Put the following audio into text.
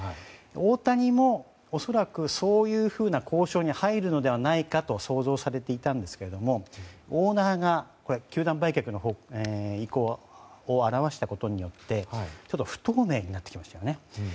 大谷も恐らく、そういうふうな交渉に入るのではないかと想像されていたんですがオーナーが球団売却の意向を表したことによって不透明になってきましたよね。